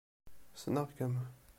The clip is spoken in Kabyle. Ssneɣ-kem.